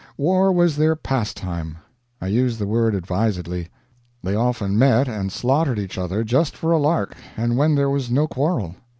War was their pastime I use the word advisedly. They often met and slaughtered each other just for a lark, and when there was no quarrel.